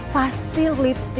tante aku mau ke rumah tante